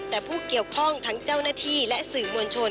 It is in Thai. แต่ผู้เกี่ยวข้องทั้งเจ้าหน้าที่และสื่อมวลชน